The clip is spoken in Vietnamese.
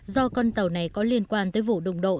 do con tàu này có liên quan tới vụ đụng độ